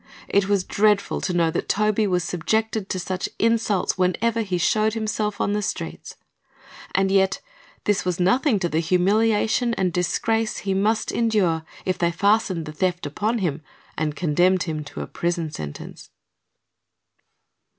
It was dreadful to know that Toby was subjected to such insults whenever he showed himself on the streets, and yet this was nothing to the humiliation and disgrace he must endure if they fastened the theft upon him and condemned him to a prison sentence.